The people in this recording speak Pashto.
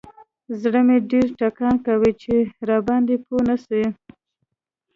زړه مې ډېر ټکان کاوه چې راباندې پوه نسي.